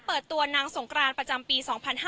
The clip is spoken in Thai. เปิดตัวนางสงกรานประจำปี๒๕๕๙